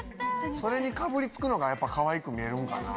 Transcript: それにかぶりつくのがやっぱかわいく見えるんかなぁ。